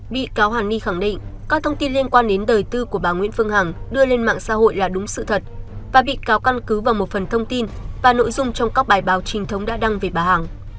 bị cáo hàn ni khẳng định các thông tin liên quan đến đời tư của bà nguyễn phương hằng đưa lên mạng xã hội là đúng sự thật và bị cáo căn cứ vào một phần thông tin và nội dung trong các bài báo trinh thống đã đăng về bà hằng